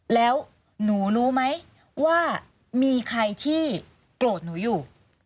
แล้วหนูรู้ไหมว่ามีใครที่โกรธหนูอยู่